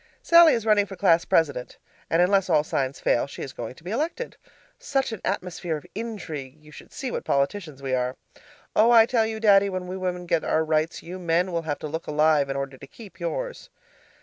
Sallie is running for class president, and unless all signs fail, she is going to be elected. Such an atmosphere of intrigue you should see what politicians we are! Oh, I tell you, Daddy, when we women get our rights, you men will have to look alive in order to keep yours.